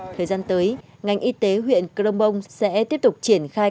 thời gian tới ngành y tế huyện cơ đông bông sẽ tiếp tục triển khai